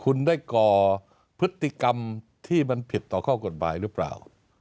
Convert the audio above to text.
คุณได้ก่อพฤติกรรมที่มันผิดต่อข้อกฎหมายหรือเปล่า